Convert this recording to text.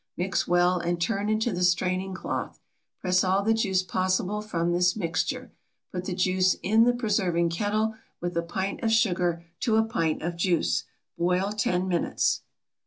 Mix well and turn into the straining cloth. Press all the juice possible from this mixture. Put the juice in the preserving kettle with a pint of sugar to a pint of juice; boil ten minutes.